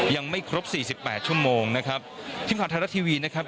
ยังไม่ครบสี่สิบแปดชั่วโมงนะครับทีมข่าวไทยรัฐทีวีนะครับ